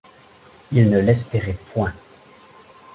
Il ne l’espérait point.